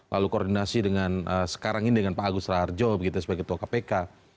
lalu koordinasi dengan sekarang ini dengan pak agus raharjo begitu sebagai ketua kpk